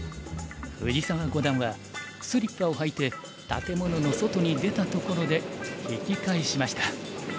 藤沢五段はスリッパを履いて建物の外に出たところで引き返しました。